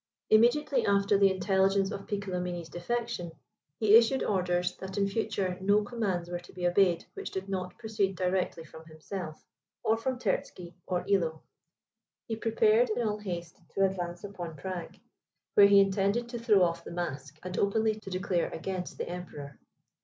Immediately after the intelligence of Piccolomini's defection, he issued orders, that in future no commands were to be obeyed, which did not proceed directly from himself, or from Terzky, or Illo. He prepared, in all haste, to advance upon Prague, where he intended to throw off the mask, and openly to declare against the Emperor.